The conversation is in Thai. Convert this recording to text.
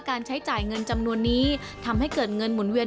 ใช้จ่ายเงินจำนวนนี้ทำให้เกิดเงินหมุนเวียน